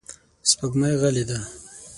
سپوږمۍ غلې ده.